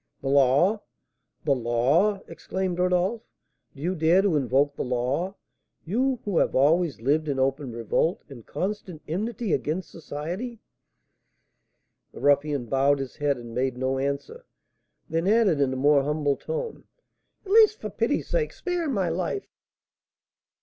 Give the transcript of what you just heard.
"The law! the law!" exclaimed Rodolph. "Do you dare to invoke the law? you, who have always lived in open revolt and constant enmity against society?" The ruffian bowed his head and made no answer; then added, in a more humble tone: "At least, for pity's sake, spare my life!"